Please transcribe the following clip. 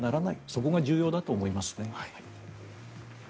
そこが重要だと思いますね。